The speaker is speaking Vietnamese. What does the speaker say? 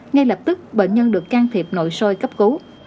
ngay lập tức bệnh nhân được can thiệp nội soi cấp cứu